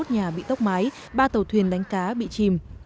hai trăm ba mươi một nhà bị tốc mái ba tàu thuyền đánh cá bị chìm